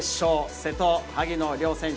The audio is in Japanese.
瀬戸、萩野両選手。